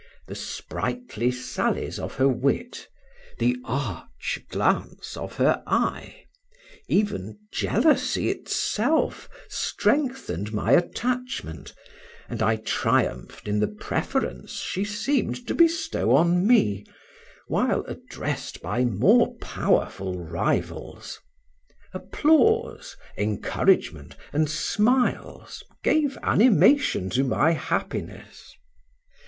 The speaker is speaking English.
The sprightly sallies of her wit, the arch glance of her eye, even jealousy itself, strengthened my attachment, and I triumphed in the preference she seemed to bestow on me, while addressed by more powerful rivals; applause, encouragement, and smiles, gave animation to my happiness.